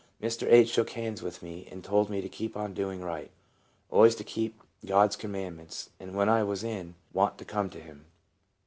Mr. H. shook hands with me, and told me to keep on doing right, always to keep God's commandments, and when I was in want to come to him.